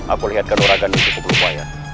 aku lihatkan uragan itu kebelupayan